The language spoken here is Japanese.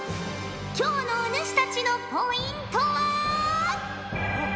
今日のお主たちのポイントは。